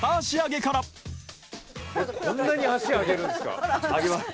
こんなに足上げるんですか？